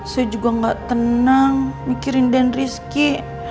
saya juga gak tenang mikirin dan rizky